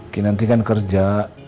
kinanti kan kerja